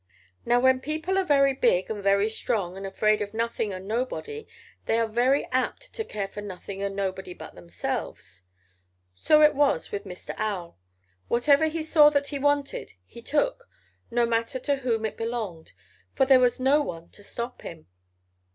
"Now when people are very big and very strong and afraid of nothing and nobody they are very apt to care for nothing and nobody but themselves. So it was with Mr. Owl. Whatever he saw that he wanted he took, no matter to whom it belonged, for there was no one to stop him.